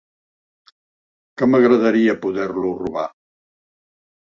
Que m'agradaria poder-lo robar!